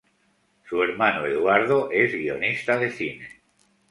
Su hermano Eduardo es guionista de cine.